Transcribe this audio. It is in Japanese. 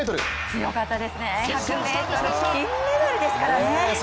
強かったですね、１００ｍ金メダルですからね。